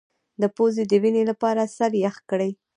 د پوزې د وینې لپاره سر یخ کړئ